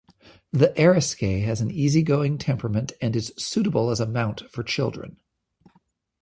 The Eriskay has an easy-going temperament and is suitable as a mount for children.